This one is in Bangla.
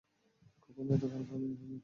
কখনো এত খারাপ ভাবে হারনি।